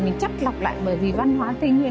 mình chắc lọc lại bởi vì văn hóa tây nguyên